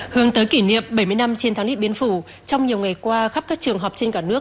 hướng tới kỷ niệm bảy mươi năm chiến thắng điện biên phủ trong nhiều ngày qua khắp các trường họp trên cả nước